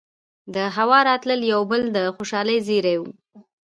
دهوا راتلل يو بل د خوشالۍ زېرے وو